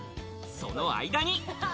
その間に。